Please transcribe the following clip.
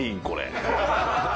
これ。